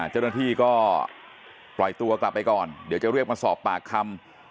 เจ้าหน้าที่ก็ปล่อยตัวกลับไปก่อนเดี๋ยวจะเรียกมาสอบปากคำ